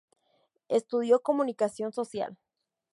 Estudió Comunicación Social.